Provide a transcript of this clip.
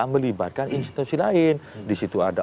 melibatkan institusi lain di situ ada